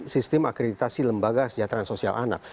sistem akreditasi lembaga sejahteraan sosial anak